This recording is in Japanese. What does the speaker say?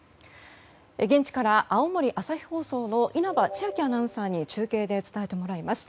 現地から青森朝日放送の稲葉千秋アナウンサーに中継で伝えてもらいます。